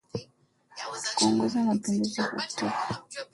kuongoza mapinduzi ya Oktoba mwaka elfu mbili na ishirini na moja